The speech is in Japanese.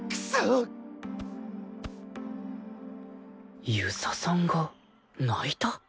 現在遊佐さんが泣いた？